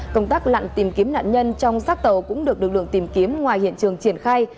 công tác lặn tìm kiếm nạn nhân trong xác tàu cũng được lực lượng tìm kiếm ngoài hiện trường triển khai